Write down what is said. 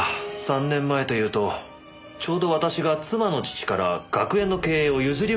３年前というとちょうど私が妻の父から学園の経営を譲り受けた頃ですか。